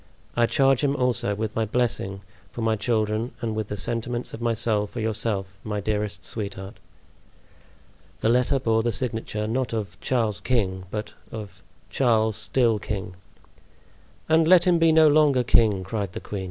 I charge him also with my blessing for my children and with the sentiments of my soul for yourself, my dearest sweetheart." The letter bore the signature, not of "Charles, King," but of "Charles—still king." "And let him be no longer king," cried the queen.